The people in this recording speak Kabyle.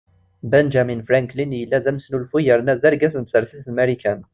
Benjamin Franklin yella d amesnulfu yerna d argaz n tsertit n Marikan.